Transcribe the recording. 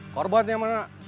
korban yang mana